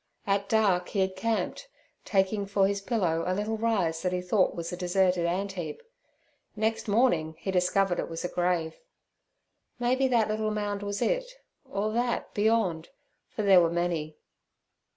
At dark he had camped, taking for his pillow a little rise that he thought was a deserted antheap; next morning he discovered it was a grave. Maybe that little mound was it—or that beyond, for there were many.